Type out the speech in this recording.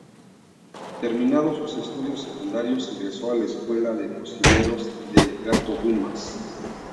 Terminados sus estudios secundarios, ingresó a la Escuela de Cocineros del Gato Dumas.